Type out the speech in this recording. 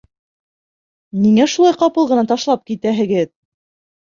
Ниңә шулай ҡапыл ғына ташлап китәһегеҙ?